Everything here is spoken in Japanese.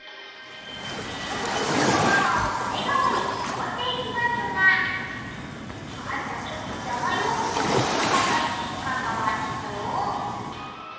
お食事中のママを台代わりに上っていきますが、あんたちょっと邪魔よと言わんばかりにママは移動。